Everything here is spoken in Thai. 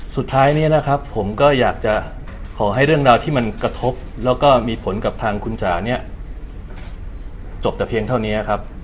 สุดท้ายนี้นะครับผมก็อยากจะขอให้เรื่องราวที่มันกระทบแล้วก็มีผลกับทางคุณจ๋าเนี่ยจบแต่เพียงเท่านี้ครับ